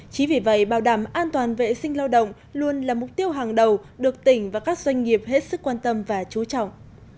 chỉ vì vậy bảo đảm an toàn vệ sinh lao động luôn là mục tiêu hàng đầu được tỉnh và các doanh nghiệp hết sức quan tâm và chú trọng